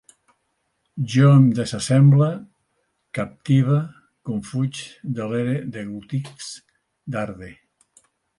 Jo em desassemble, captive, confuig, delere, deglutisc, darde